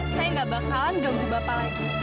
saya gak bakalan ganggu bapak lagi